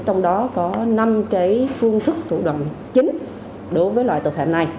trong đó có năm phương thức thủ đoạn chính đối với loại tội phạm này